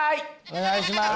お願いします。